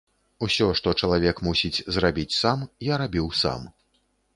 Усё, што чалавек мусіць зрабіць сам, я рабіў сам.